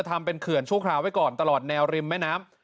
ทำเป็นเขื่อนชั่วคราวไว้ก่อนตลอดแนวริมแม่น้ำ